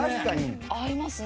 合いますね。